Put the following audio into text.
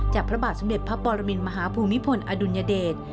พระบาทสมเด็จพระปรมินมหาภูมิพลอดุลยเดช